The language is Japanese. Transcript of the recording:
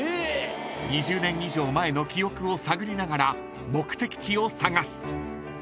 ［２０年以上前の記憶を探りながら目的地を探す］